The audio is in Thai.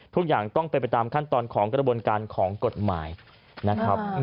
ทุกอย่างต้องเป็นไปตามขั้นตอนของกระบวนการของกฎหมายนะครับ